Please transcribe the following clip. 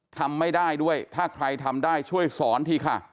ทำไม่ได้ด้วยถ้าใครทำได้ช่วยสอนทีค่ะ